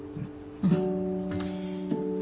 うん。